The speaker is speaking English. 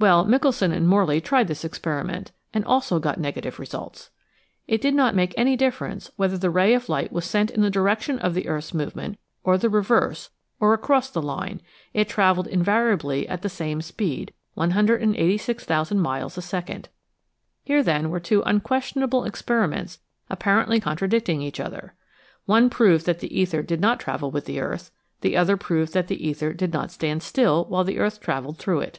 Well, Michelson and Morley tried this experiment — and also got negative results! It did not make any difference whether the ray of light was sent in the direction of the earth's movement or the reverse or across the line, it traveled invariably at the same speed, 186,000 miles a second. Here then were two unquestionable experiments apparently con tradicting each other. Ohe proved that the ether did not travel with the earth. The other proved that the ether did not stand still while the earth traveled through it.